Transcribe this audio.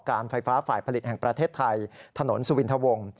การไฟฟ้าฝ่ายผลิตแห่งประเทศไทยถนนสุวินทวง